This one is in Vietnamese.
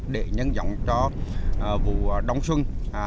để nhân dọng cho vụ đóng xuân hai nghìn một mươi bảy hai nghìn một mươi tám